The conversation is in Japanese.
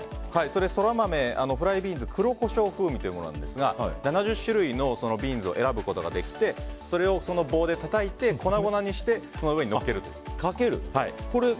フライビーンズ黒胡椒風味というものですが７０種類のビーンズを選ぶことができてそれを棒でたたいて粉々にしてその上にのっけるという。